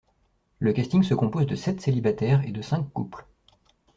Le casting se compose de sept célibataires et de cinq couples.